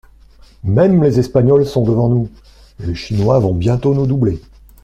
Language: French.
Même les Espagnols sont devant nous, et les Chinois vont bientôt nous doubler.